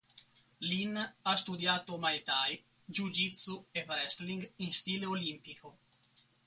Lin Ha studiato muay thai, jiu-jitsu e wrestling in stile olimpico.